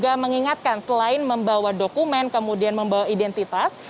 dan juga mengingatkan selain membawa dokumen kemudian membawa identitas